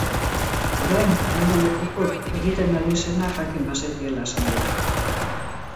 Orain, hainbat lekukok egiten ari zena jakin bazekiela esan dute.